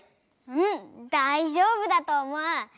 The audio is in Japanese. うんだいじょうぶだとおもう！